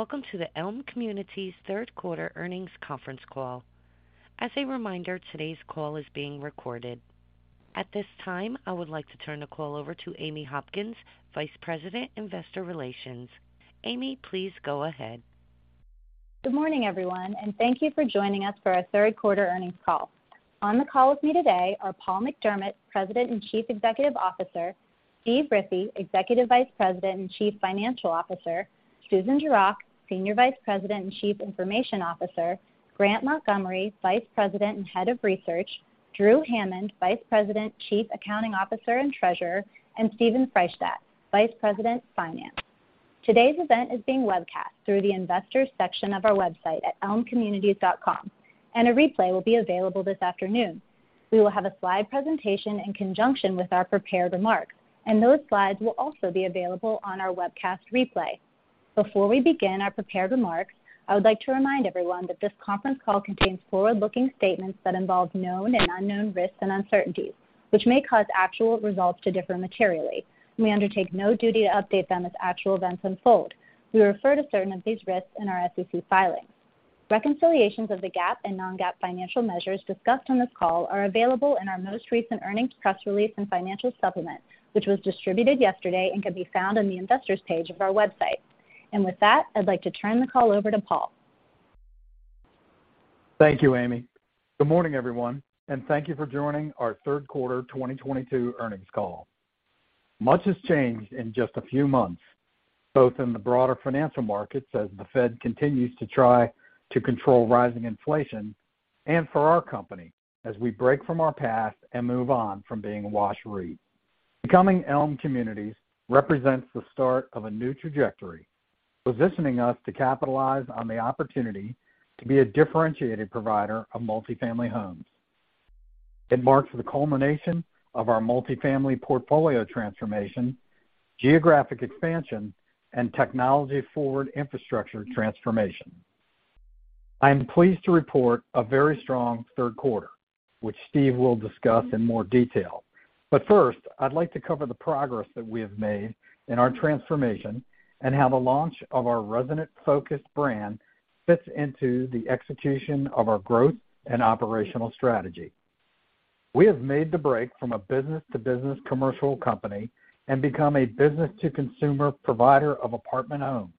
Welcome to the Elme Communities Q3 earnings conference call. As a reminder, today's call is being recorded. At this time, I would like to turn the call over to Amy Hopkins, Vice President, Investor Relations. Amy, please go ahead. Good morning, everyone, and thank you for joining us for our Q3 earnings call. On the call with me today are Paul McDermott, President and Chief Executive Officer, Steve Riffe, Executive Vice President and Chief Financial Officer, Susan Gerock, Senior Vice President and Chief Information Officer, Grant Montgomery, Vice President and Head of Research, Drew Hammond, Vice President, Chief Accounting Officer and Treasurer, and Steven Freishtat, Vice President of Finance. Today's event is being webcast through the investors section of our website at elmecommunities.com, and a replay will be available this afternoon. We will have a slide presentation in conjunction with our prepared remarks, and those slides will also be available on our webcast replay. Before we begin our prepared remarks, I would like to remind everyone that this conference call contains forward-looking statements that involve known and unknown risks and uncertainties, which may cause actual results to differ materially, and we undertake no duty to update them as actual events unfold. We refer to certain of these risks in our SEC filings. Reconciliations of the GAAP and non-GAAP financial measures discussed on this call are available in our most recent earnings press release and financial supplement, which was distributed yesterday and can be found on the investors page of our website. With that, I'd like to turn the call over to Paul. Thank you, Amy. Good morning, everyone, and thank you for joining our Q3 2022 earnings call. Much has changed in just a few months, both in the broader financial markets as the Fed continues to try to control rising inflation and for our company as we break from our past and move on from being WashREIT. Becoming Elme Communities represents the start of a new trajectory, positioning us to capitalize on the opportunity to be a differentiated provider of multifamily homes. It marks the culmination of our multifamily portfolio transformation, geographic expansion, and technology-forward infrastructure transformation. I am pleased to report a very strong Q3, which Steve will discuss in more detail. First, I'd like to cover the progress that we have made in our transformation and how the launch of our resident-focused brand fits into the execution of our growth and operational strategy. We have made the break from a business-to-business commercial company and become a business-to-consumer provider of apartment homes.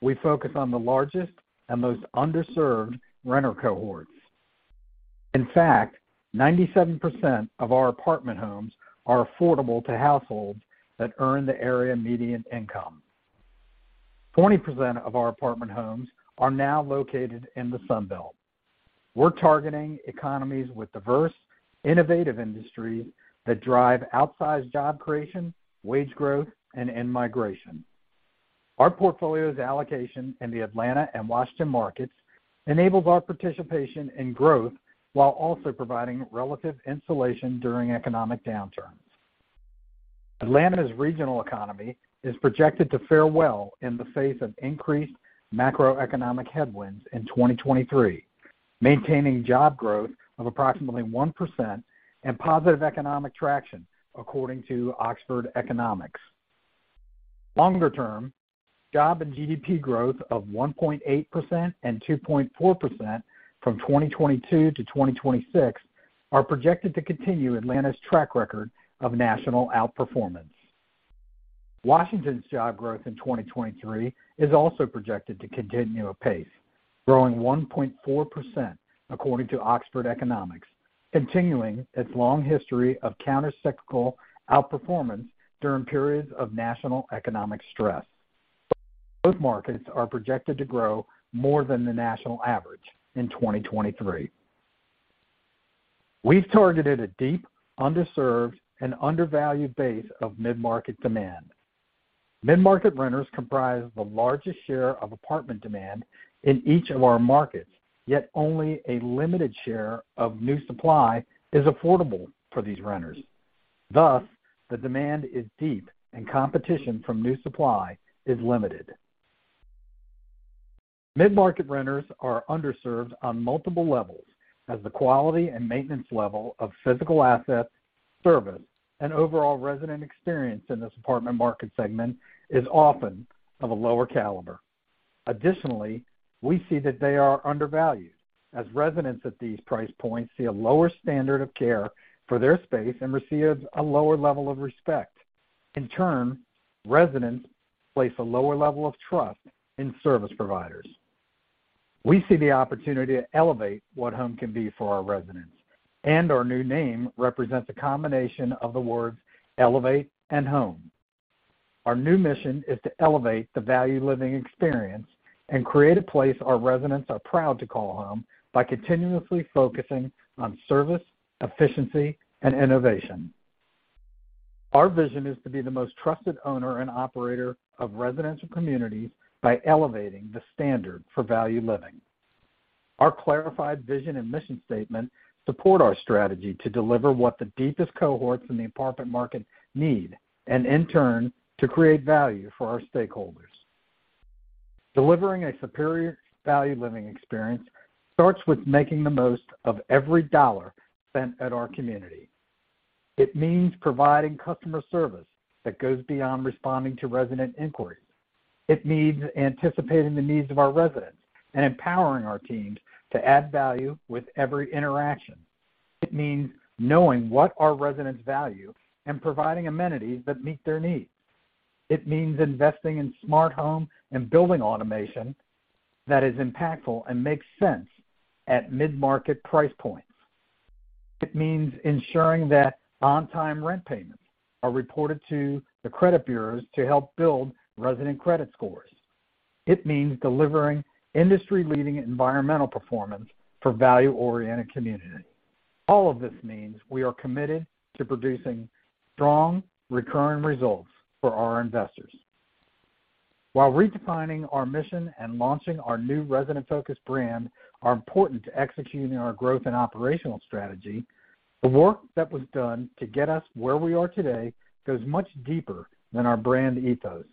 We focus on the largest and most underserved renter cohorts. In fact, 97% of our apartment homes are affordable to households that earn the area median income. 40% of our apartment homes are now located in the Sun Belt. We're targeting economies with diverse, innovative industries that drive outsized job creation, wage growth, and in-migration. Our portfolio's allocation in the Atlanta and Washington markets enables our participation in growth while also providing relative insulation during economic downturns. Atlanta's regional economy is projected to fare well in the face of increased macroeconomic headwinds in 2023, maintaining job growth of approximately 1% and positive economic traction, according to Oxford Economics. Longer term, job and GDP growth of 1.8% and 2.4% from 2022-2026 are projected to continue Atlanta's track record of national outperformance. Washington's job growth in 2023 is also projected to continue apace, growing 1.4%, according to Oxford Economics, continuing its long history of countercyclical outperformance during periods of national economic stress. Both markets are projected to grow more than the national average in 2023. We've targeted a deep, underserved, and undervalued base of mid-market demand. Mid-market renters comprise the largest share of apartment demand in each of our markets, yet only a limited share of new supply is affordable for these renters. Thus, the demand is deep, and competition from new supply is limited. Mid-market renters are underserved on multiple levels as the quality and maintenance level of physical assets, service, and overall resident experience in this apartment market segment is often of a lower caliber. Additionally, we see that they are undervalued as residents at these price points see a lower standard of care for their space and receive a lower level of respect. In turn, residents place a lower level of trust in service providers. We see the opportunity to elevate what home can be for our residents, and our new name represents a combination of the words elevate and home. Our new mission is to elevate the value living experience and create a place our residents are proud to call home by continuously focusing on service, efficiency, and innovation. Our vision is to be the most trusted owner and operator of residential communities by elevating the standard for value living. Our clarified vision and mission statement support our strategy to deliver what the deepest cohorts in the apartment market need, and in turn, to create value for our stakeholders. Delivering a superior value living experience starts with making the most of every dollar spent at our community. It means providing customer service that goes beyond responding to resident inquiries. It means anticipating the needs of our residents and empowering our teams to add value with every interaction. It means knowing what our residents value and providing amenities that meet their needs. It means investing in smart home and building automation that is impactful and makes sense at mid-market price points. It means ensuring that on-time rent payments are reported to the credit bureaus to help build resident credit scores. It means delivering industry-leading environmental performance for value-oriented communities. All of this means we are committed to producing strong recurring results for our investors. While redefining our mission and launching our new resident-focused brand are important to executing our growth and operational strategy, the work that was done to get us where we are today goes much deeper than our brand ethos.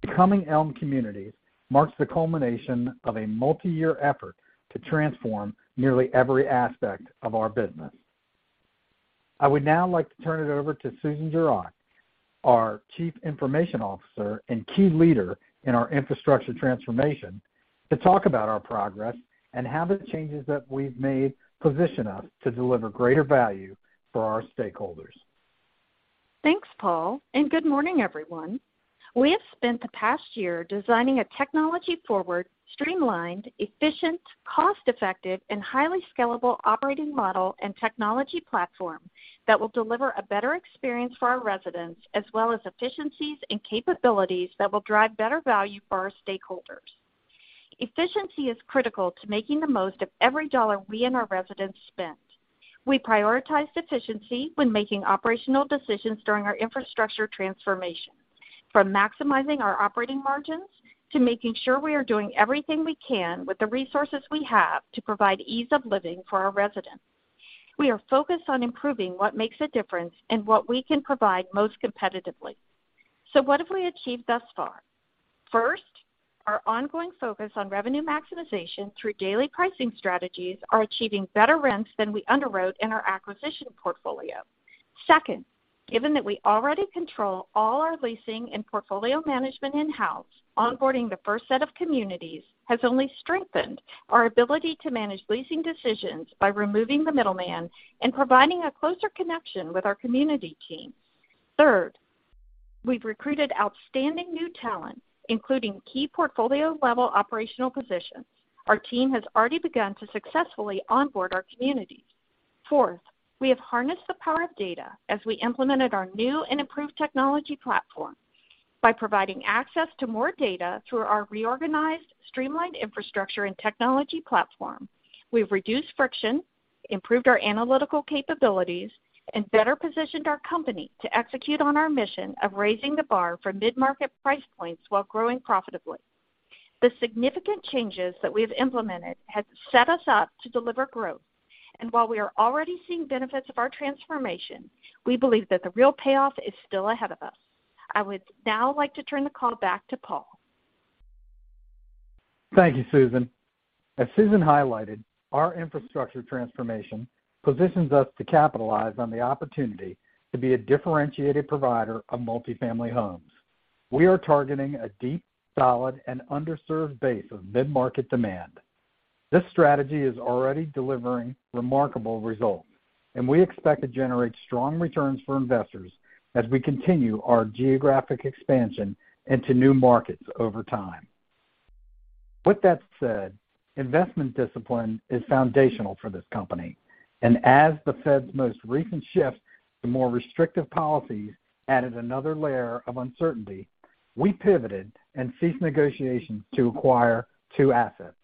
Becoming Elme Communities marks the culmination of a multiyear effort to transform nearly every aspect of our business. I would now like to turn it over to Susan Gerock, our Chief Information Officer and key leader in our infrastructure transformation, to talk about our progress and how the changes that we've made position us to deliver greater value for our stakeholders. Thanks, Paul, and good morning, everyone. We have spent the past year designing a technology-forward, streamlined, efficient, cost-effective, and highly scalable operating model and technology platform that will deliver a better experience for our residents, as well as efficiencies and capabilities that will drive better value for our stakeholders. Efficiency is critical to making the most of every dollar we and our residents spend. We prioritize efficiency when making operational decisions during our infrastructure transformation, from maximizing our operating margins to making sure we are doing everything we can with the resources we have to provide ease of living for our residents. We are focused on improving what makes a difference and what we can provide most competitively. What have we achieved thus far? First, our ongoing focus on revenue maximization through daily pricing strategies are achieving better rents than we underwrote in our acquisition portfolio. Second, given that we already control all our leasing and portfolio management in-house, onboarding the first set of communities has only strengthened our ability to manage leasing decisions by removing the middleman and providing a closer connection with our community team. Third, we've recruited outstanding new talent, including key portfolio-level operational positions. Our team has already begun to successfully onboard our communities. Fourth, we have harnessed the power of data as we implemented our new and improved technology platform. By providing access to more data through our reorganized streamlined infrastructure and technology platform, we've reduced friction, improved our analytical capabilities, and better positioned our company to execute on our mission of raising the bar for mid-market price points while growing profitably. The significant changes that we have implemented have set us up to deliver growth, and while we are already seeing benefits of our transformation, we believe that the real payoff is still ahead of us. I would now like to turn the call back to Paul. Thank you, Susan. As Susan highlighted, our infrastructure transformation positions us to capitalize on the opportunity to be a differentiated provider of multifamily homes. We are targeting a deep, solid and underserved base of mid-market demand. This strategy is already delivering remarkable results, and we expect to generate strong returns for investors as we continue our geographic expansion into new markets over time. With that said, investment discipline is foundational for this company. As the Fed's most recent shift to more restrictive policies added another layer of uncertainty, we pivoted and ceased negotiations to acquire two assets.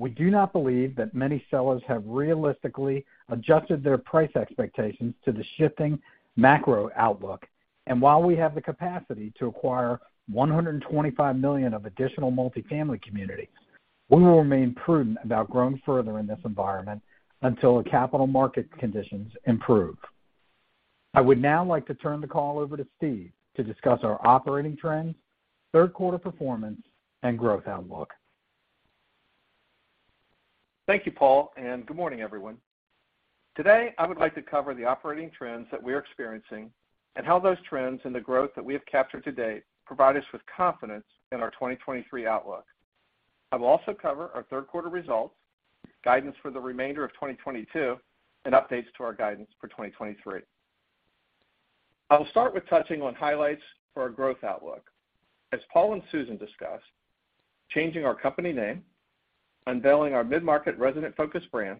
We do not believe that many sellers have realistically adjusted their price expectations to the shifting macro outlook. While we have the capacity to acquire $125 million of additional multifamily communities, we will remain prudent about growing further in this environment until the capital market conditions improve. I would now like to turn the call over to Steve to discuss our operating trends, Q3 performance, and growth outlook. Thank you, Paul, and good morning, everyone. Today, I would like to cover the operating trends that we are experiencing and how those trends and the growth that we have captured to date provide us with confidence in our 2023 outlook. I will also cover our Q3 results, guidance for the remainder of 2022, and updates to our guidance for 2023. I'll start with touching on highlights for our growth outlook. As Paul and Susan discussed, changing our company name, unveiling our mid-market resident-focused brand,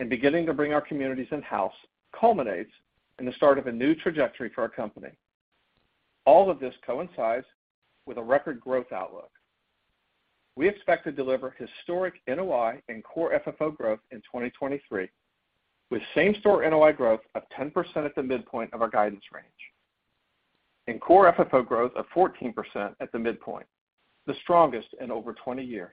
and beginning to bring our communities in-house culminates in the start of a new trajectory for our company. All of this coincides with a record growth outlook. We expect to deliver historic NOI and core FFO growth in 2023, with same-store NOI growth of 10% at the midpoint of our guidance range and core FFO growth of 14% at the midpoint, the strongest in over 20 years.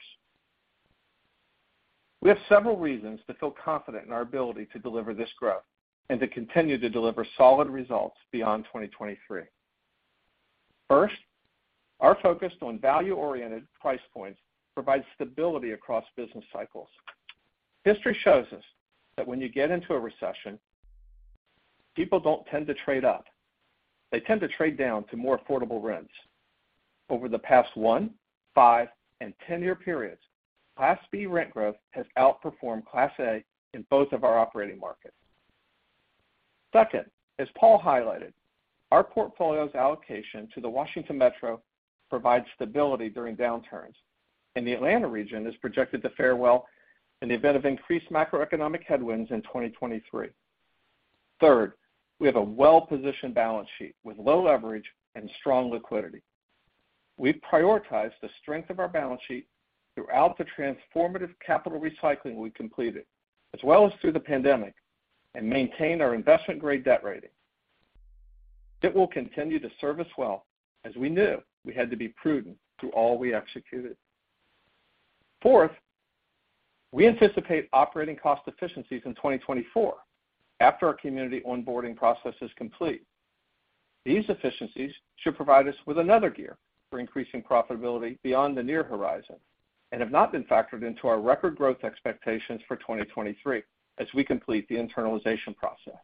We have several reasons to feel confident in our ability to deliver this growth and to continue to deliver solid results beyond 2023. First, our focus on value-oriented price points provides stability across business cycles. History shows us that when you get into a recession, people don't tend to trade up. They tend to trade down to more affordable rents. Over the past 1-, 5-, and 10-year periods, Class B rent growth has outperformed Class A in both of our operating markets. Second, as Paul highlighted, our portfolio's allocation to the Washington Metro provides stability during downturns, and the Atlanta region is projected to fare well in the event of increased macroeconomic headwinds in 2023. Third, we have a well-positioned balance sheet with low leverage and strong liquidity. We prioritize the strength of our balance sheet throughout the transformative capital recycling we completed, as well as through the pandemic, and maintain our investment-grade debt rating. It will continue to serve us well, as we knew we had to be prudent through all we executed. Fourth, we anticipate operating cost efficiencies in 2024 after our community onboarding process is complete. These efficiencies should provide us with another gear for increasing profitability beyond the near horizon and have not been factored into our record growth expectations for 2023 as we complete the internalization process.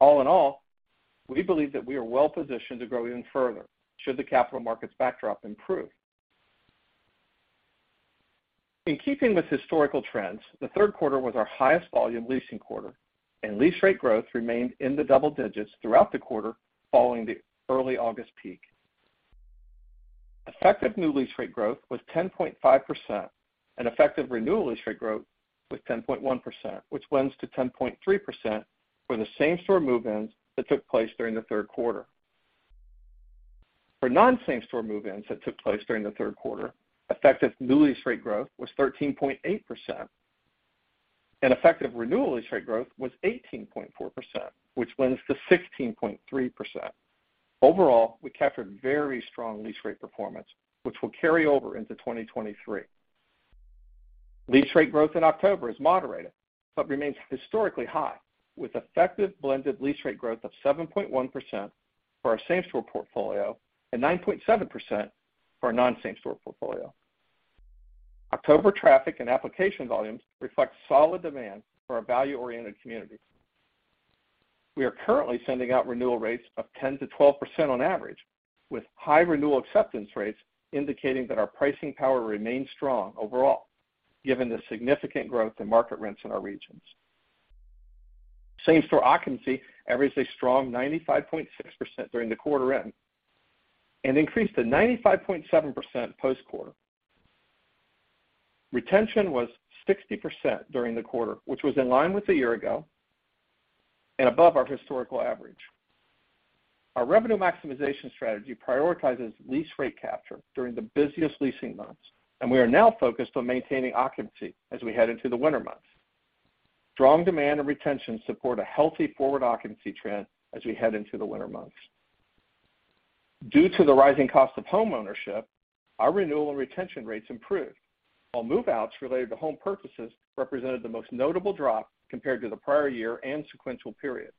All in all, we believe that we are well-positioned to grow even further should the capital markets backdrop improve. In keeping with historical trends, the Q3 was our highest volume leasing quarter, and lease rate growth remained in the double digits throughout the quarter following the early August peak. Effective new lease rate growth was 10.5%, and effective renewal lease rate growth was 10.1%, which blends to 10.3% for the same-store move-ins that took place during the Q3. For non-same-store move-ins that took place during the Q3, effective new lease rate growth was 13.8%, and effective renewal lease rate growth was 18.4%, which blends to 16.3%. Overall, we captured very strong lease rate performance, which will carry over into 2023. Lease rate growth in October has moderated but remains historically high, with effective blended lease rate growth of 7.1% for our same-store portfolio and 9.7% for our non-same-store portfolio. October traffic and application volumes reflect solid demand for our value-oriented communities. We are currently sending out renewal rates of 10%-12% on average, with high renewal acceptance rates indicating that our pricing power remains strong overall, given the significant growth in market rents in our regions. Same-store occupancy averaged a strong 95.6% during the quarter end and increased to 95.7% post-quarter. Retention was 60% during the quarter, which was in line with a year ago and above our historical average. Our revenue maximization strategy prioritizes lease rate capture during the busiest leasing months, and we are now focused on maintaining occupancy as we head into the winter months. Strong demand and retention support a healthy forward occupancy trend as we head into the winter months. Due to the rising cost of homeownership, our renewal and retention rates improved. While move-outs related to home purchases represented the most notable drop compared to the prior year and sequential period,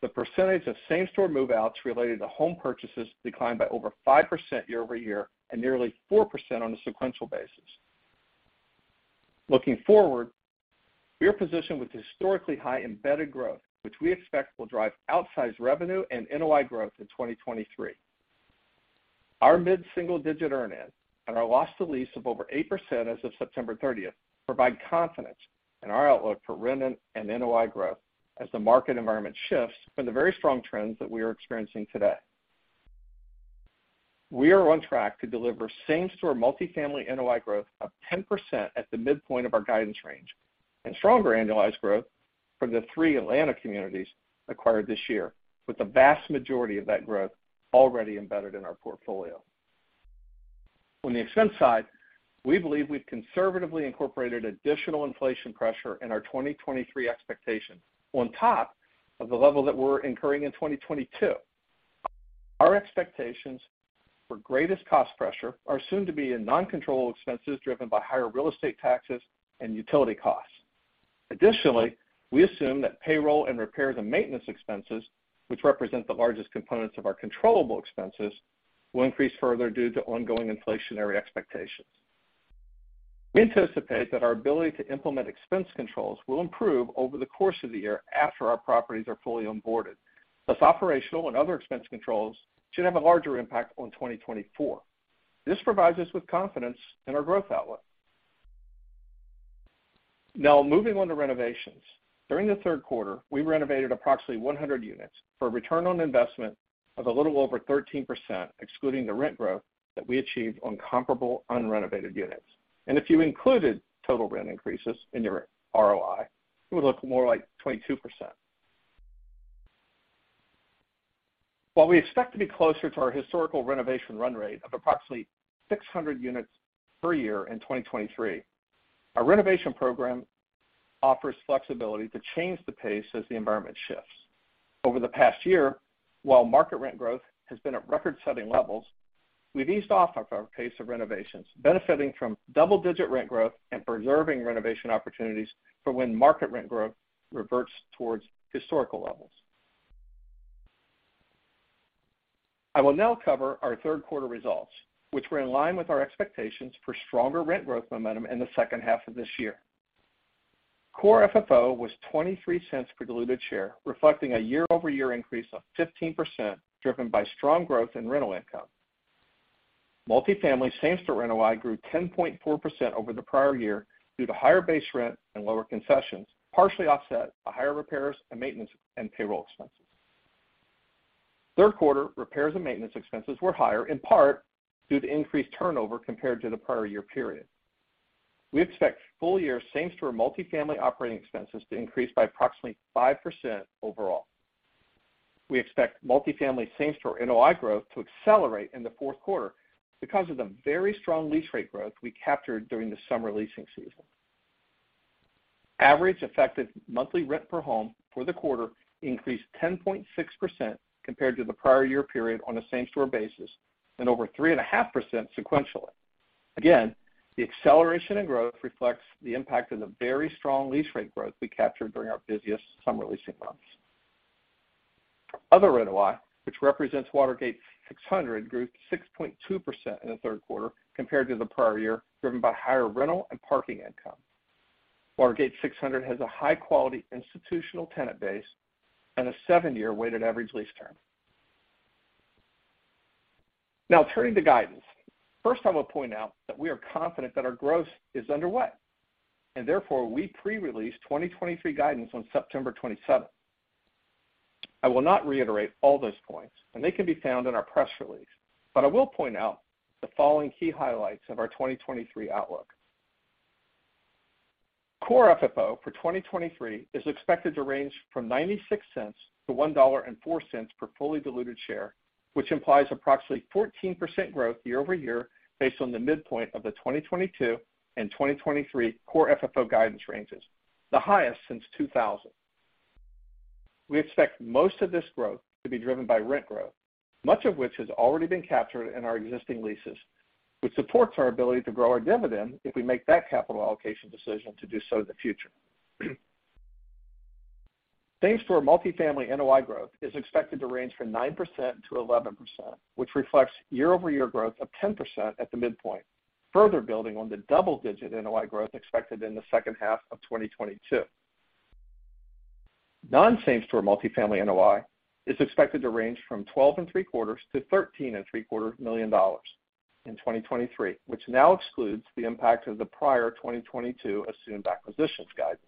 the percentage of same-store move-outs related to home purchases declined by over 5% year-over-year and nearly 4% on a sequential basis. Looking forward, we are positioned with historically high embedded growth, which we expect will drive outsized revenue and NOI growth in 2023. Our mid-single-digit earn-in and our loss to lease of over 8% as of September 30 provide confidence in our outlook for rent and NOI growth as the market environment shifts from the very strong trends that we are experiencing today. We are on track to deliver same-store multifamily NOI growth of 10% at the midpoint of our guidance range and stronger annualized growth from the three Atlanta communities acquired this year, with the vast majority of that growth already embedded in our portfolio. On the expense side, we believe we've conservatively incorporated additional inflation pressure in our 2023 expectations on top of the level that we're incurring in 2022. Our expectations for greatest cost pressure are soon to be in non-controllable expenses driven by higher real estate taxes and utility costs. Additionally, we assume that payroll and repairs and maintenance expenses, which represent the largest components of our controllable expenses, will increase further due to ongoing inflationary expectations. We anticipate that our ability to implement expense controls will improve over the course of the year after our properties are fully onboarded. Thus, operational and other expense controls should have a larger impact on 2024. This provides us with confidence in our growth outlook. Now, moving on to renovations. During the Q3, we renovated approximately 100 units for a return on investment of a little over 13%, excluding the rent growth that we achieved on comparable unrenovated units. If you included total rent increases in your ROI, it would look more like 22%. While we expect to be closer to our historical renovation run rate of approximately 600 units per year in 2023, our renovation program offers flexibility to change the pace as the environment shifts. Over the past year, while market rent growth has been at record-setting levels. We've eased off of our pace of renovations, benefiting from double-digit rent growth and preserving renovation opportunities for when market rent growth reverts towards historical levels. I will now cover our Q3 results, which were in line with our expectations for stronger rent growth momentum in the second half of this year. Core FFO was $0.23 per diluted share, reflecting a year-over-year increase of 15%, driven by strong growth in rental income. Multifamily same-store rental revenue grew 10.4% over the prior year due to higher base rent and lower concessions, partially offset by higher repairs and maintenance and payroll expenses. Q3 repairs and maintenance expenses were higher in part due to increased turnover compared to the prior year period. We expect full-year same-store multifamily operating expenses to increase by approximately 5% overall. We expect multifamily same-store NOI growth to accelerate in the Q4 because of the very strong lease rate growth we captured during the summer leasing season. Average effective monthly rent per home for the quarter increased 10.6% compared to the prior year period on a same-store basis and over 3.5% sequentially. Again, the acceleration in growth reflects the impact of the very strong lease rate growth we captured during our busiest summer leasing months. Other NOI, which represents Watergate 600, grew 6.2% in the Q3 compared to the prior year, driven by higher rental and parking income. Watergate 600 has a high-quality institutional tenant base and a 7-year weighted average lease term. Now turning to guidance. First, I will point out that we are confident that our growth is underway, and therefore, we pre-released 2023 guidance on September 27. I will not reiterate all those points, and they can be found in our press release, but I will point out the following key highlights of our 2023 outlook. Core FFO for 2023 is expected to range from $0.96-$1.04 per fully diluted share, which implies approximately 14% growth year-over-year based on the midpoint of the 2022 and 2023 Core FFO guidance ranges, the highest since 2000. We expect most of this growth to be driven by rent growth, much of which has already been captured in our existing leases, which supports our ability to grow our dividend if we make that capital allocation decision to do so in the future. Same-store multifamily NOI growth is expected to range from 9%-11%, which reflects year-over-year growth of 10% at the midpoint, further building on the double-digit NOI growth expected in the second half of 2022. Non-same store multifamily NOI is expected to range from $12.75 million-$13.75 million in 2023, which now excludes the impact of the prior 2022 assumed acquisitions guidance.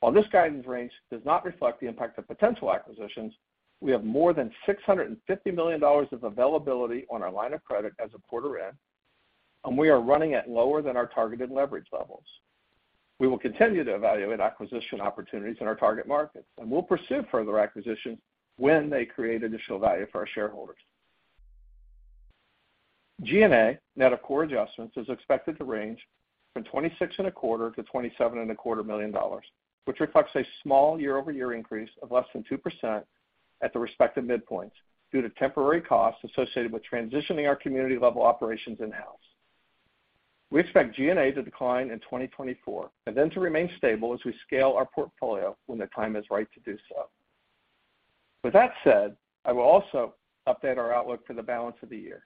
While this guidance range does not reflect the impact of potential acquisitions, we have more than $650 million of availability on our line of credit as of quarter end, and we are running at lower than our targeted leverage levels. We will continue to evaluate acquisition opportunities in our target markets, and we'll pursue further acquisitions when they create additional value for our shareholders. G&A net of core adjustments is expected to range from $26.25 million-$27.25 million, which reflects a small year-over-year increase of less than 2% at the respective midpoints due to temporary costs associated with transitioning our community-level operations in-house. We expect G&A to decline in 2024 and then to remain stable as we scale our portfolio when the time is right to do so. With that said, I will also update our outlook for the balance of the year.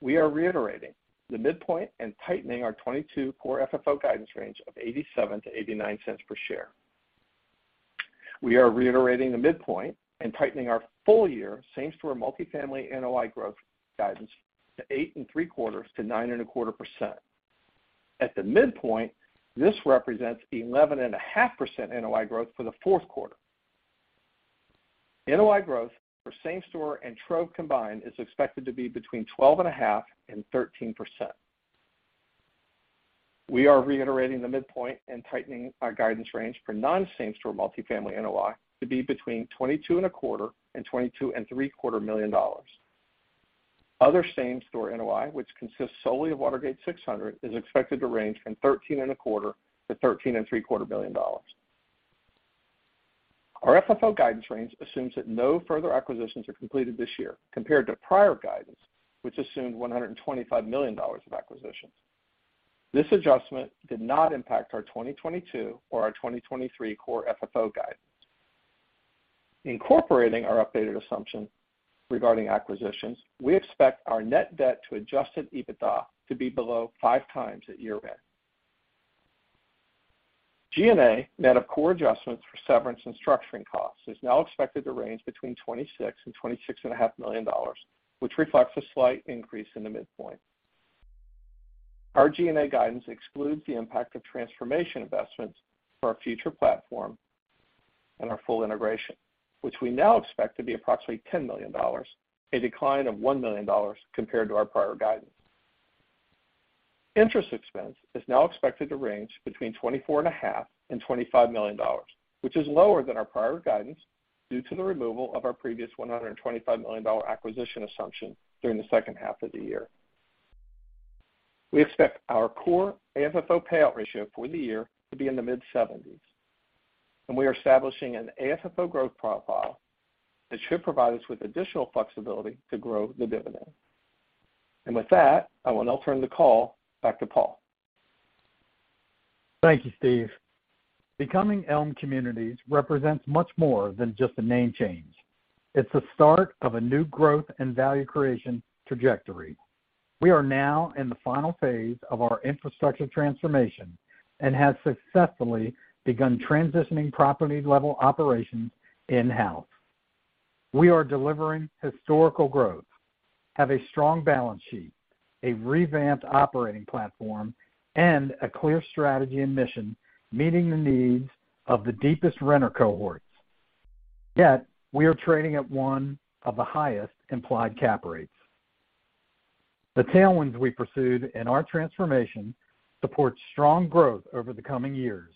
We are reiterating the midpoint and tightening our Q2 core FFO guidance range of $0.87-$0.89 per share. We are reiterating the midpoint and tightening our full-year same-store multifamily NOI growth guidance to 8.75%-9.25%. At the midpoint, this represents 11.5% NOI growth for the Q4. NOI growth for same-store and Trove combined is expected to be between 12.5% and 13%. We are reiterating the midpoint and tightening our guidance range for non-same-store multifamily NOI to be between $22.25 million and $22.75 million. Other same-store NOI, which consists solely of Watergate 600, is expected to range from $13.25 million-$13.75 million. Our FFO guidance range assumes that no further acquisitions are completed this year compared to prior guidance, which assumed $125 million of acquisitions. This adjustment did not impact our 2022 or our 2023 core FFO guidance. Incorporating our updated assumption regarding acquisitions, we expect our net debt to adjusted EBITDA to be below 5x at year-end. G&A net of core adjustments for severance and structuring costs is now expected to range between $26 million and $26.5 million, which reflects a slight increase in the midpoint. Our G&A guidance excludes the impact of transformation investments for our future platform and our full integration, which we now expect to be approximately $10 million, a decline of $1 million compared to our prior guidance. Interest expense is now expected to range between $24.5 million and $25 million, which is lower than our prior guidance due to the removal of our previous $125 million acquisition assumption during the second half of the year. We expect our core AFFO payout ratio for the year to be in the mid-70s%. We are establishing an AFFO growth profile that should provide us with additional flexibility to grow the dividend. With that, I will now turn the call back to Paul. Thank you, Steve. Becoming Elme Communities represents much more than just a name change. It's the start of a new growth and value creation trajectory. We are now in the final phase of our infrastructure transformation and have successfully begun transitioning property-level operations in-house. We are delivering historical growth, have a strong balance sheet, a revamped operating platform, and a clear strategy and mission, meeting the needs of the deepest renter cohorts. Yet we are trading at one of the highest implied cap rates. The tailwinds we pursued in our transformation support strong growth over the coming years.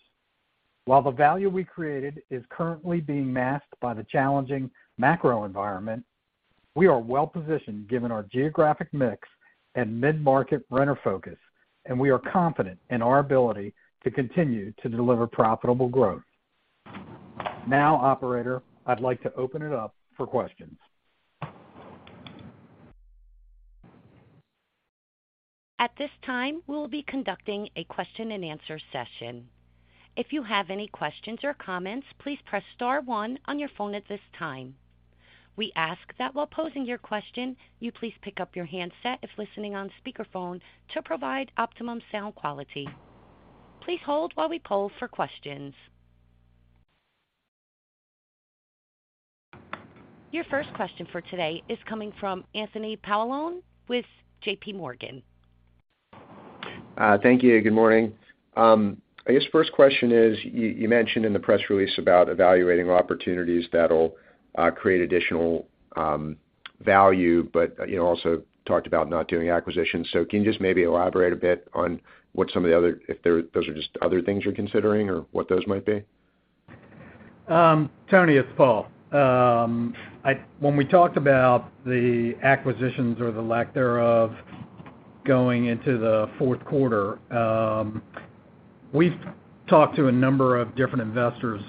While the value we created is currently being masked by the challenging macro environment, we are well-positioned given our geographic mix and mid-market renter focus, and we are confident in our ability to continue to deliver profitable growth. Now, operator, I'd like to open it up for questions. At this time, we will be conducting a question-and-answer session. If you have any questions or comments, please press star one on your phone at this time. We ask that while posing your question, you please pick up your handset if listening on speakerphone to provide optimum sound quality. Please hold while we poll for questions. Your first question for today is coming from Anthony Paolone with JPMorgan. Thank you. Good morning. I guess first question is, you mentioned in the press release about evaluating opportunities that'll create additional value, but, you know, also talked about not doing acquisitions. Can you just maybe elaborate a bit on what some of the other, if there are, those are just other things you're considering or what those might be? Tony, it's Paul. When we talked about the acquisitions or the lack thereof going into the Q4, we've talked to a number of different investors.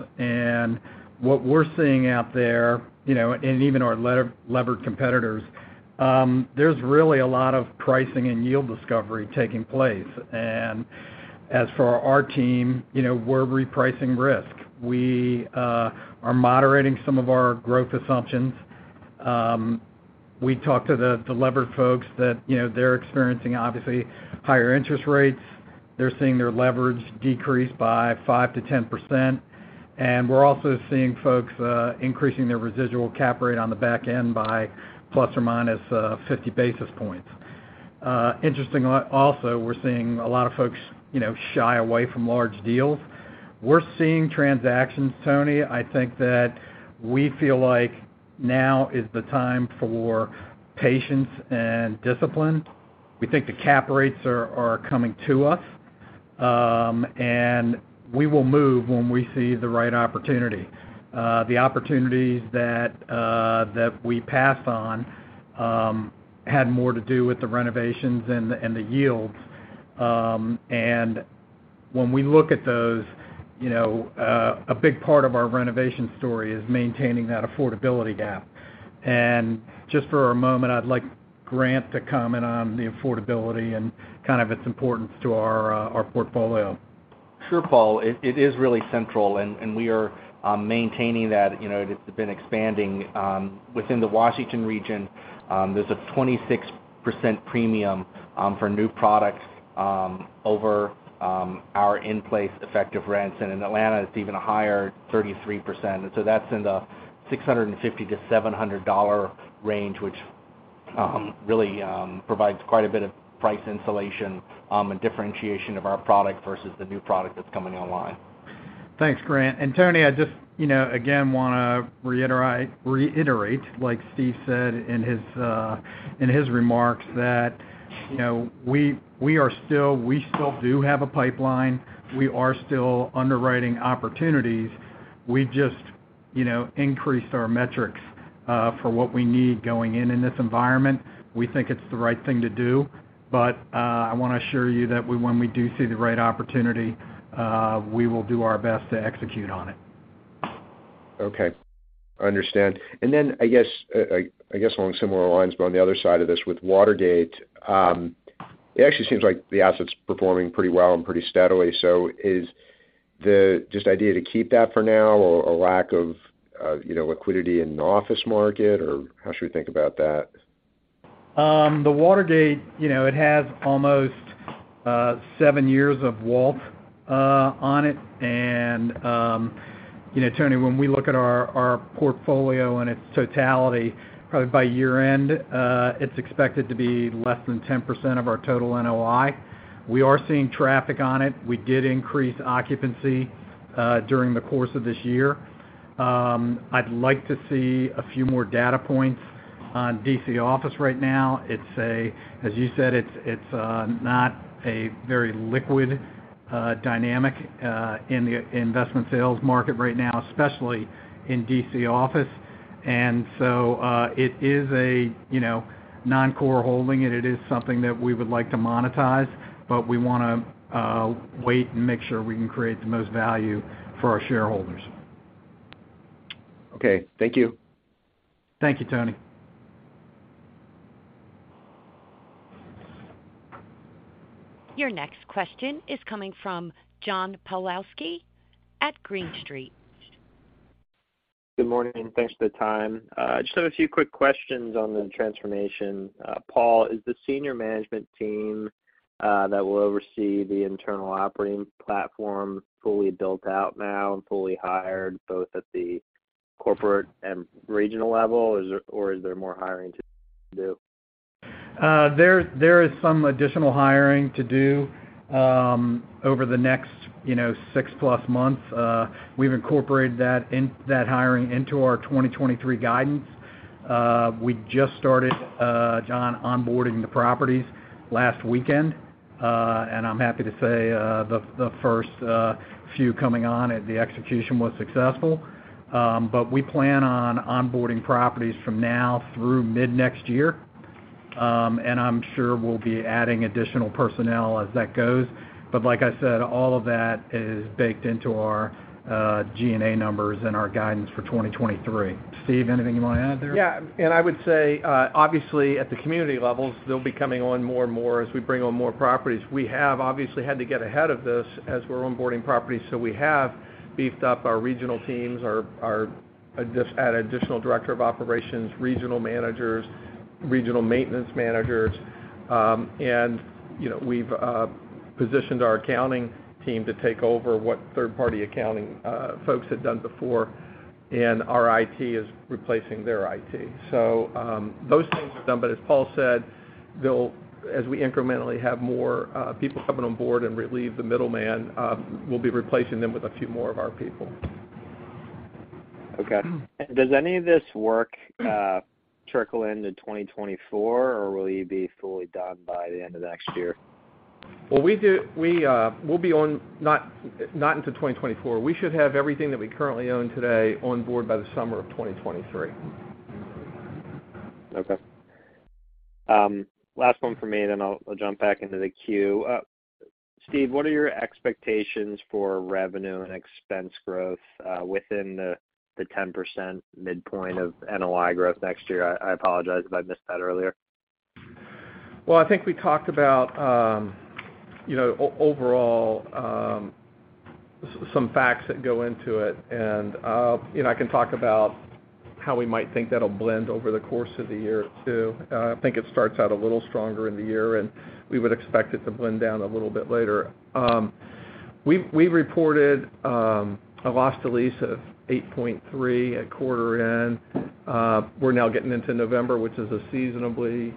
What we're seeing out there, you know, and even our levered competitors, there's really a lot of pricing and yield discovery taking place. As for our team, you know, we're repricing risk. We are moderating some of our growth assumptions. We talked to the levered folks that, you know, they're experiencing, obviously, higher interest rates. They're seeing their leverage decrease by 5%-10%. We're also seeing folks increasing their residual cap rate on the back end by ±50 basis points. Interestingly also, we're seeing a lot of folks, you know, shy away from large deals. We're seeing transactions, Tony. I think that we feel like now is the time for patience and discipline. We think the cap rates are coming to us, and we will move when we see the right opportunity. The opportunities that we pass on had more to do with the renovations and the yields. When we look at those, you know, a big part of our renovation story is maintaining that affordability gap. Just for a moment, I'd like Grant to comment on the affordability and kind of its importance to our portfolio. Sure, Paul. It is really central, and we are maintaining that. You know, it's been expanding within the Washington region. There's a 26% premium for new products over our in-place effective rents. In Atlanta, it's even higher, 33%. That's in the $650-$700 range, which really provides quite a bit of price insulation and differentiation of our product versus the new product that's coming online. Thanks, Grant. Tony, I just, you know, again, wanna reiterate, like Steve said in his remarks, that, you know, we still do have a pipeline. We are still underwriting opportunities. We just, you know, increased our metrics for what we need going in in this environment. We think it's the right thing to do. I wanna assure you that we, when we do see the right opportunity, we will do our best to execute on it. Okay. Understand. Then I guess along similar lines, but on the other side of this with Watergate, it actually seems like the asset's performing pretty well and pretty steadily. Is just the idea to keep that for now or a lack of, you know, liquidity in the office market, or how should we think about that? The Watergate, you know, it has almost seven years of WALT on it. You know, Tony, when we look at our portfolio and its totality, probably by year-end, it's expected to be less than 10% of our total NOI. We are seeing traffic on it. We did increase occupancy during the course of this year. I'd like to see a few more data points on D.C. office right now. As you said, it's not a very liquid dynamic in the investment sales market right now, especially in D.C. office. It is, you know, a non-core holding, and it is something that we would like to monetize, but we wanna wait and make sure we can create the most value for our shareholders. Okay. Thank you. Thank you, Tony. Your next question is coming from John Pawlowski at Green Street. Good morning, thanks for the time. Just have a few quick questions on the transformation. Paul, is the senior management team that will oversee the internal operating platform fully built out now and fully hired, both at the corporate and regional level? Is there more hiring to do? There is some additional hiring to do over the next, you know, six-plus months. We've incorporated that hiring into our 2023 guidance. We just started, John, onboarding the properties last weekend, and I'm happy to say, the first few coming on at the execution was successful. We plan on onboarding properties from now through mid next year. I'm sure we'll be adding additional personnel as that goes. Like I said, all of that is baked into our G&A numbers and our guidance for 2023. Steve, anything you wanna add there? Yeah. I would say, obviously, at the community levels, they'll be coming on more and more as we bring on more properties. We have obviously had to get ahead of this as we're onboarding properties. We have beefed up our regional teams, just add additional director of operations, regional managers, regional maintenance managers. You know, we've positioned our accounting team to take over what third-party accounting folks had done before, and our IT is replacing their IT. Those things are done. As Paul said, as we incrementally have more people coming on board and relieve the middleman, we'll be replacing them with a few more of our people. Okay. Does any of this work trickle into 2024, or will you be fully done by the end of next year? Well, we'll be done, not into 2024. We should have everything that we currently own today on board by the summer of 2023. Okay. Last one for me, then I'll jump back into the queue. Steve, what are your expectations for revenue and expense growth within the 10% midpoint of NOI growth next year? I apologize if I missed that earlier. Well, I think we talked about, you know, overall, some facts that go into it. I can talk about how we might think that'll blend over the course of the year, too. I think it starts out a little stronger in the year, and we would expect it to blend down a little bit later. We've reported a loss to lease of 8.3 at quarter end. We're now getting into November, which is seasonally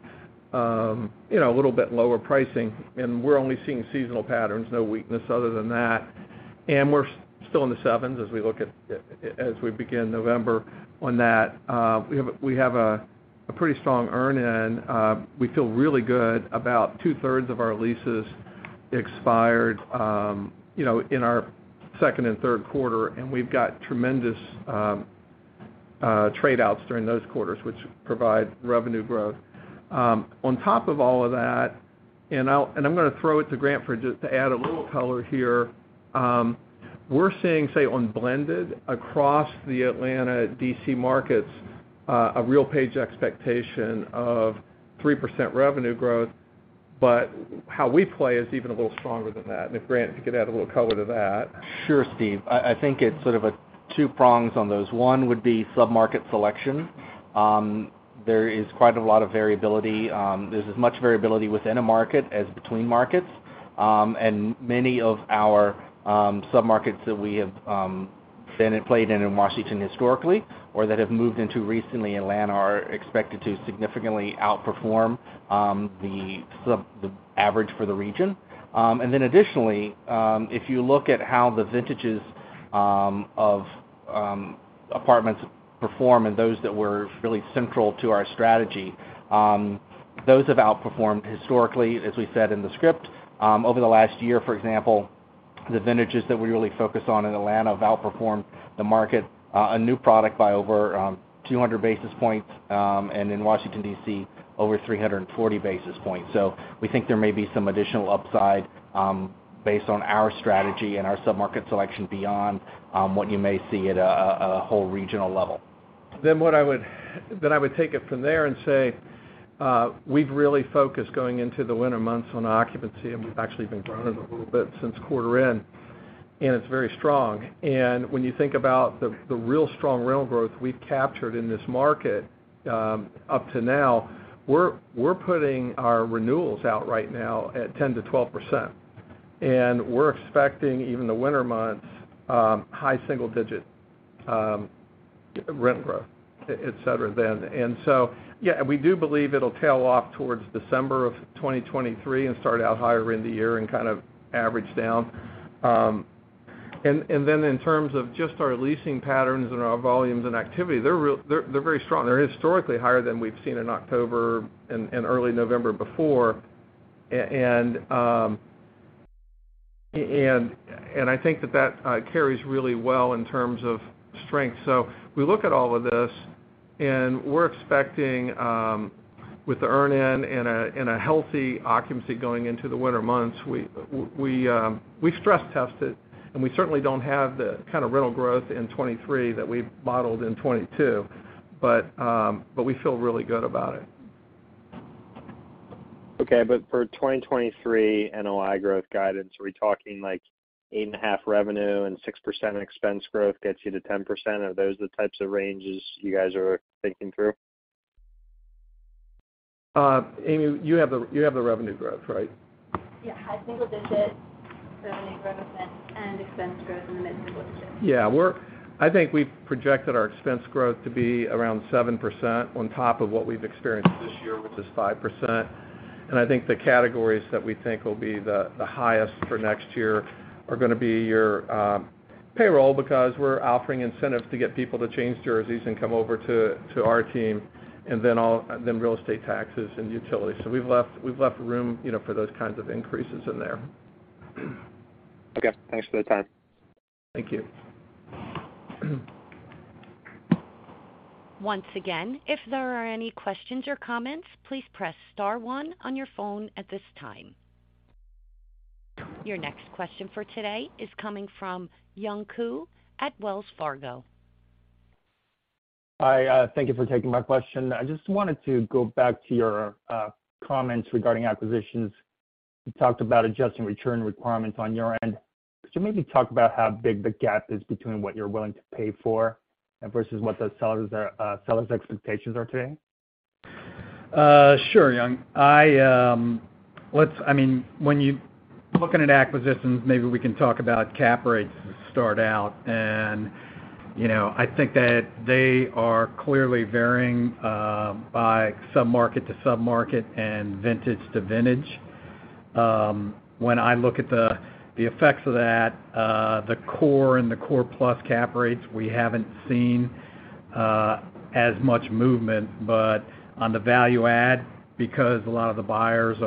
a little bit lower pricing, and we're only seeing seasonal patterns, no weakness other than that. We're still in the sevens as we begin November on that. We have a pretty strong earn-in. We feel really good. About two-thirds of our leases expired, you know, in our second and Q3, and we've got tremendous trade-outs during those quarters, which provide revenue growth. On top of all of that, and I'm gonna throw it to Grant for just to add a little color here. We're seeing, say, on blended across the Atlanta D.C. markets, a RealPage expectation of 3% revenue growth, but how we play is even a little stronger than that. If, Grant, you could add a little color to that. Sure, Steve. I think it's sort of a two prongs on those. One would be submarket selection. There is quite a lot of variability. There's as much variability within a market as between markets. Many of our submarkets that we have been and played in in Washington historically or that have moved into recently Atlanta are expected to significantly outperform the average for the region. Additionally, if you look at how the vintages of apartments perform and those that were really central to our strategy, those have outperformed historically, as we said in the script. Over the last year, for example, the vintages that we really focus on in Atlanta have outperformed the market, a new product by over 200 basis points, and in Washington, D.C., over 340 basis points. We think there may be some additional upside, based on our strategy and our submarket selection beyond what you may see at a whole regional level. I would take it from there and say, we've really focused going into the winter months on occupancy, and we've actually been growing a little bit since quarter end, and it's very strong. When you think about the really strong rental growth we've captured in this market, up to now, we're putting our renewals out right now at 10%-12%. We're expecting, even the winter months, high single-digit rent growth, et cetera then. Yeah, and we do believe it'll tail off towards December of 2023 and start out higher in the year and kind of average down. In terms of just our leasing patterns and our volumes and activity, they're very strong. They're historically higher than we've seen in October and early November before. I think that carries really well in terms of strength. We look at all of this and we're expecting, with the earn-in and a healthy occupancy going into the winter months, we've stress tested, and we certainly don't have the kind of rental growth in 2023 that we've modeled in 2022, but we feel really good about it. Okay. For 2023 NOI growth guidance, are we talking like 8.5% revenue and 6% expense growth gets you to 10%? Are those the types of ranges you guys are thinking through? Amy, you have the revenue growth, right? Yeah. High single-digit revenue growth and expense growth in the mid-single digits. Yeah. I think we've projected our expense growth to be around 7% on top of what we've experienced this year, which is 5%. I think the categories that we think will be the highest for next year are gonna be your payroll, because we're offering incentives to get people to change jerseys and come over to our team, and then real estate taxes and utilities. We've left room, you know, for those kinds of increases in there. Okay. Thanks for the time. Thank you. Once again, if there are any questions or comments, please press star one on your phone at this time. Your next question for today is coming from Young Ku at Wells Fargo. Hi. Thank you for taking my question. I just wanted to go back to your comments regarding acquisitions. You talked about adjusting return requirements on your end. Could you maybe talk about how big the gap is between what you're willing to pay for and versus what the sellers' expectations are today? Sure, Young. Looking at acquisitions, maybe we can talk about cap rates to start out. You know, I think that they are clearly varying by submarket to submarket and vintage to vintage. When I look at the effects of that, the core and the core-plus cap rates, we haven't seen as much movement, but on the value-add, because a lot of the buyers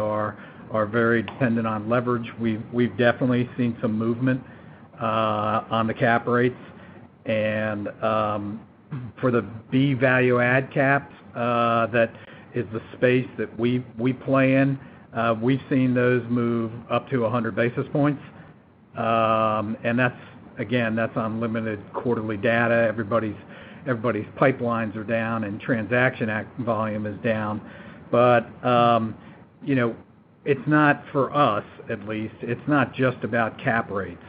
are very dependent on leverage, we've definitely seen some movement on the cap rates. For the B value-add caps, that is the space that we play in, we've seen those move up to 100 basis points. That's, again, on limited quarterly data. Everybody's pipelines are down and transaction volume is down. You know, it's not for us, at least. It's not just about cap rates.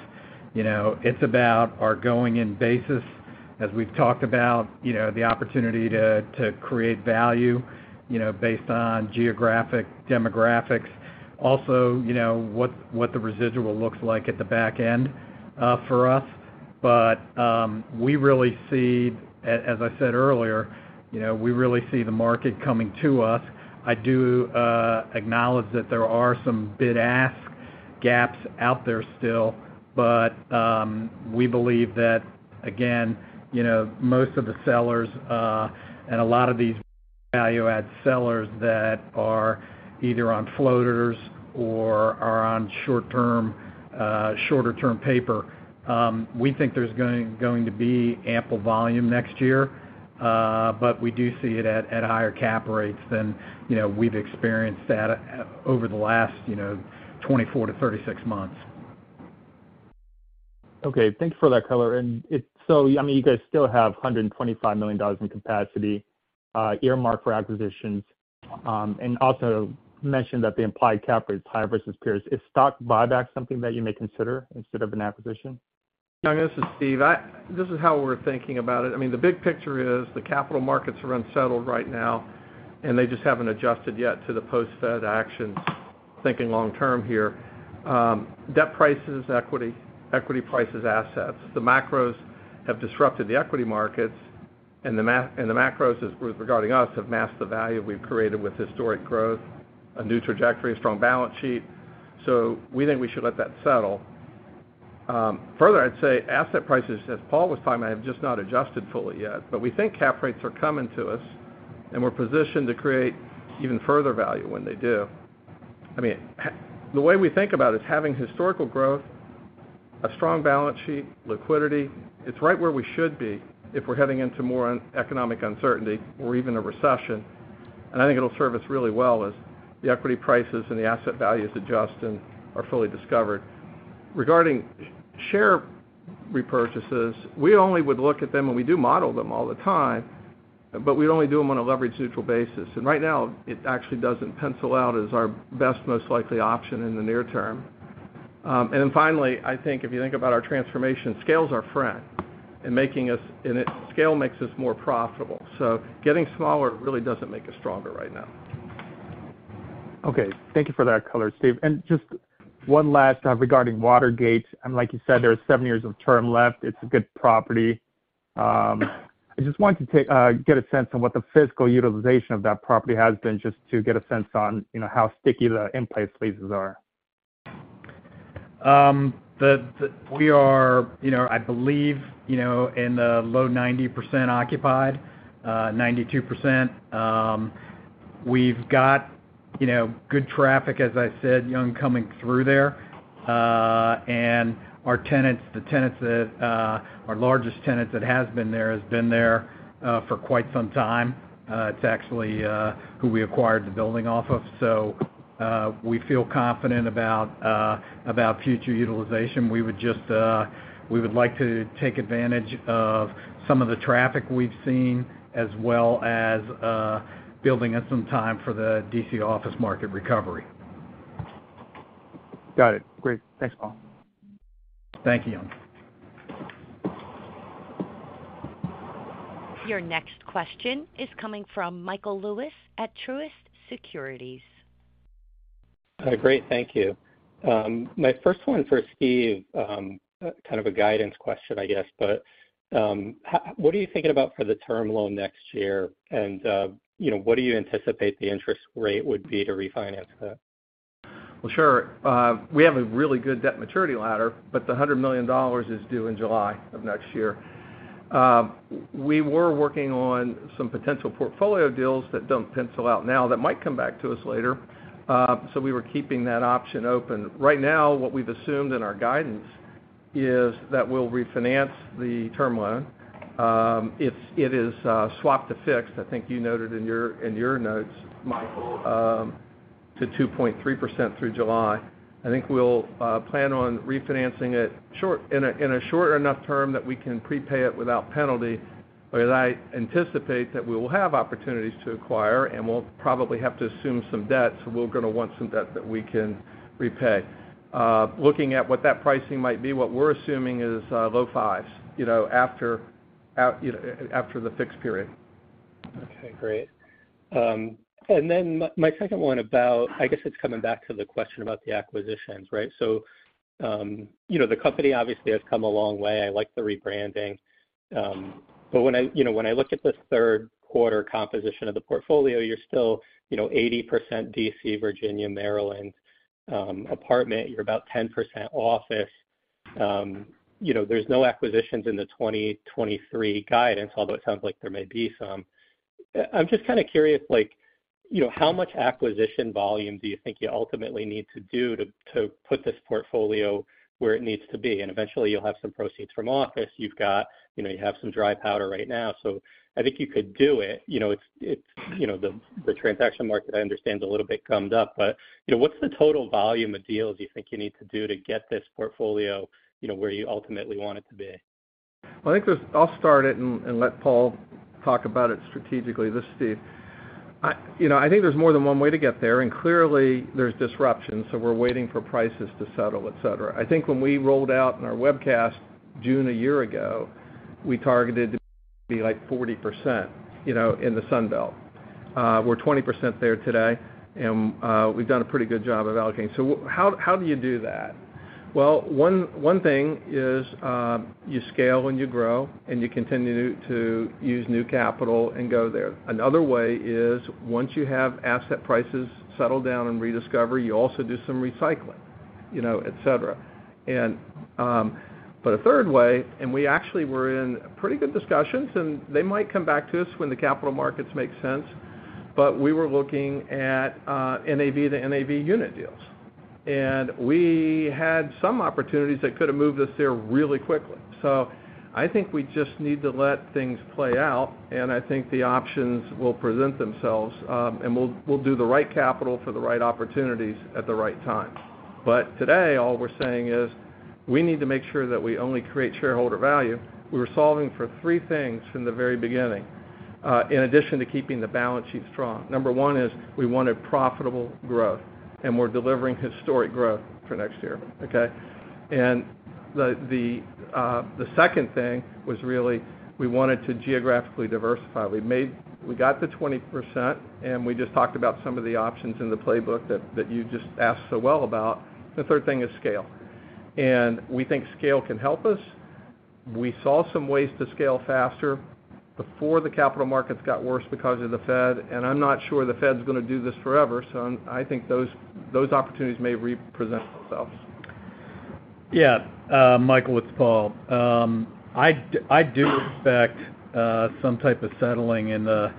You know, it's about our going-in basis, as we've talked about, you know, the opportunity to create value, you know, based on geographic demographics. Also, you know, what the residual looks like at the back end for us. As I said earlier, you know, we really see the market coming to us. I do acknowledge that there are some bid-ask gaps out there still, but we believe that, again, you know, most of the sellers and a lot of these value add sellers that are either on floaters or are on short-term, shorter-term paper, we think there's going to be ample volume next year, but we do see it at higher cap rates than, you know, we've experienced that over the last, you know, 24-36 months. Okay. Thank you for that color. I mean, you guys still have $125 million in capacity earmarked for acquisitions, and also mentioned that the implied cap rate is high versus peers. Is stock buyback something that you may consider instead of an acquisition? Young, this is Steve. This is how we're thinking about it. I mean, the big picture is the capital markets are unsettled right now, and they just haven't adjusted yet to the post Fed actions. Thinking long term here. Debt prices, equity prices, assets. The macros have disrupted the equity markets and the macros with regard to us have masked the value we've created with historic growth, a new trajectory, a strong balance sheet. We think we should let that settle. Further, I'd say asset prices, as Paul was talking about, have just not adjusted fully yet. We think cap rates are coming to us, and we're positioned to create even further value when they do. I mean, the way we think about is having historical growth, a strong balance sheet, liquidity. It's right where we should be if we're heading into more economic uncertainty or even a recession, and I think it'll serve us really well as the equity prices and the asset values adjust and are fully discovered. Regarding share repurchases, we only would look at them, and we do model them all the time, but we only do them on a leverage neutral basis. Right now it actually doesn't pencil out as our best, most likely option in the near term. Finally, I think if you think about our transformation, scale is our friend. Scale makes us more profitable. Getting smaller really doesn't make us stronger right now. Okay. Thank you for that color, Steve. Just one last regarding Watergate. Like you said, there are seven years of term left. It's a good property. I just wanted to get a sense on what the physical utilization of that property has been, just to get a sense on, you know, how sticky the in-place leases are. We are, you know, I believe, you know, in the low 90% occupied, 92%. We've got, you know, good traffic, as I said, Young, coming through there. And our tenants, our largest tenant that has been there for quite some time. It's actually who we acquired the building off of. We feel confident about future utilization. We would just like to take advantage of some of the traffic we've seen, as well as building up some time for the D.C. office market recovery. Got it. Great. Thanks, Paul. Thank you, Young. Your next question is coming from Michael Lewis at Truist Securities. Great. Thank you. My first one for Steve, kind of a guidance question, I guess, but, what are you thinking about for the term loan next year? You know, what do you anticipate the interest rate would be to refinance that? Well, sure. We have a really good debt maturity ladder, but the $100 million is due in July of next year. We were working on some potential portfolio deals that don't pencil out now that might come back to us later. We were keeping that option open. Right now, what we've assumed in our guidance is that we'll refinance the term loan. It is swapped to fixed. I think you noted in your notes, Michael, to 2.3% through July. I think we'll plan on refinancing it short, in a short enough term that we can prepay it without penalty because I anticipate that we will have opportunities to acquire, and we'll probably have to assume some debt, so we're gonna want some debt that we can repay. Looking at what that pricing might be, what we're assuming is low fives, you know, after, you know, after the fixed period. Okay, great. My second one about, I guess it's coming back to the question about the acquisitions, right? You know, the company obviously has come a long way. I like the rebranding. When I, you know, when I look at the Q3 composition of the portfolio, you're still, you know, 80% D.C., Virginia, Maryland, apartment. You're about 10% office. You know, there's no acquisitions in the 2023 guidance, although it sounds like there may be some. I'm just kinda curious, like, you know, how much acquisition volume do you think you ultimately need to do to put this portfolio where it needs to be? Eventually you'll have some proceeds from office. You've got, you know, you have some dry powder right now, I think you could do it. You know, it's you know, the transaction market I understand is a little bit gummed up, but, you know, what's the total volume of deals you think you need to do to get this portfolio, you know, where you ultimately want it to be? Well, I think there's. I'll start it and let Paul talk about it strategically. This is Steve. You know, I think there's more than one way to get there, and clearly there's disruption, so we're waiting for prices to settle, et cetera. I think when we rolled out in our webcast June a year ago, we targeted to be like 40%, you know, in the Sun Belt. We're 20% there today, and we've done a pretty good job of allocating. How do you do that? Well, one thing is you scale and you grow and you continue to use new capital and go there. Another way is once you have asset prices settled down and rediscovery, you also do some recycling, you know, et cetera. But a third way, and we actually were in pretty good discussions, and they might come back to us when the capital markets make sense, but we were looking at NAV to NAV unit deals. We had some opportunities that could've moved us there really quickly. I think we just need to let things play out, and I think the options will present themselves. We'll do the right capital for the right opportunities at the right time. Today, all we're saying is we need to make sure that we only create shareholder value. We were solving for three things from the very beginning, in addition to keeping the balance sheet strong. Number one is we wanted profitable growth, and we're delivering historic growth for next year, okay? The second thing was really we wanted to geographically diversify. We got to 20%, and we just talked about some of the options in the playbook that you just asked so well about. The third thing is scale. We think scale can help us. We saw some ways to scale faster before the capital markets got worse because of the Fed, and I'm not sure the Fed's gonna do this forever. I think those opportunities may re-present themselves. Yeah. Michael, it's Paul. I do expect some type of settling in the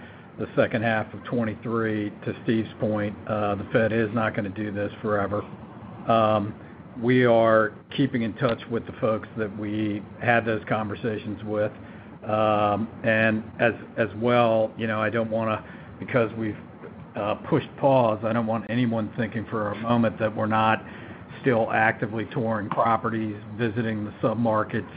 second half of 2023. To Steve's point, the Fed is not gonna do this forever. We are keeping in touch with the folks that we had those conversations with. As well, you know, I don't wanna, because we've pushed pause, I don't want anyone thinking for a moment that we're not still actively touring properties, visiting the submarkets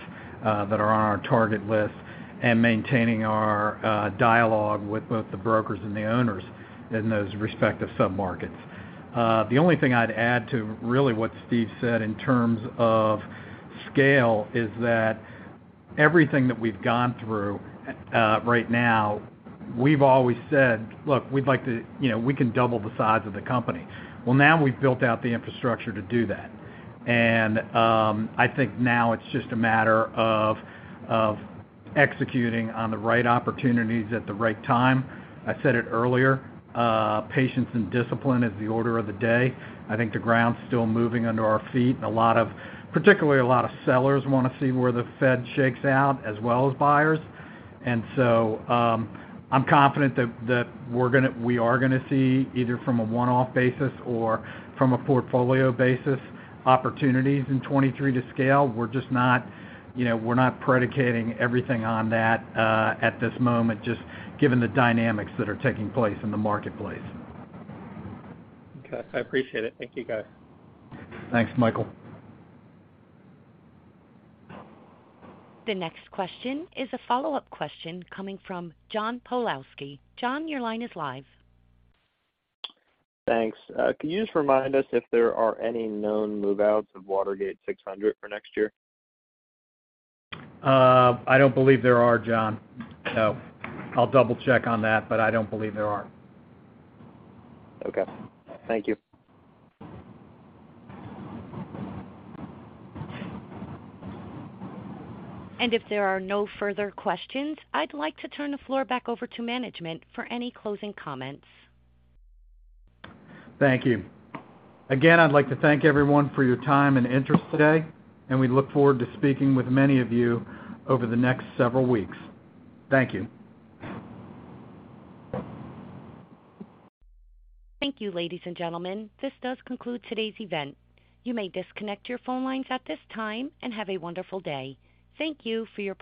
that are on our target list and maintaining our dialogue with both the brokers and the owners in those respective submarkets. The only thing I'd add to really what Steve said in terms of scale is that everything that we've gone through right now, we've always said, "Look, we'd like to, you know, we can double the size of the company." Well, now we've built out the infrastructure to do that. I think now it's just a matter of executing on the right opportunities at the right time. I said it earlier, patience and discipline is the order of the day. I think the ground's still moving under our feet, and a lot of, particularly a lot of sellers wanna see where the Fed shakes out, as well as buyers. I'm confident that we are gonna see, either from a one-off basis or from a portfolio basis, opportunities in 2023 to scale. We're just not, you know, we're not predicating everything on that, at this moment, just given the dynamics that are taking place in the marketplace. Okay. I appreciate it. Thank you, guys. Thanks, Michael. The next question is a follow-up question coming from John Pawlowski. John, your line is live. Thanks. Can you just remind us if there are any known move-outs of Watergate 600 for next year? I don't believe there are, John. No. I'll double-check on that, but I don't believe there are. Okay. Thank you. If there are no further questions, I'd like to turn the floor back over to management for any closing comments. Thank you. Again, I'd like to thank everyone for your time and interest today, and we look forward to speaking with many of you over the next several weeks. Thank you. Thank you, ladies and gentlemen. This does conclude today's event. You may disconnect your phone lines at this time, and have a wonderful day. Thank you for your participation.